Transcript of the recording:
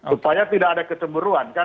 supaya tidak ada kecemburuan kan